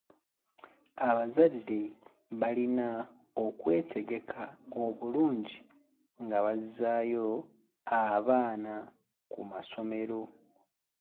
Abazade balina okwetegeka obulungi nga bazaayo abaana ku masomero.